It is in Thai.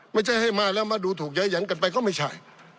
ไม่ใช่ให้มาแล้วมาดูถูกย้ายหยันกันไปก็ไม่ใช่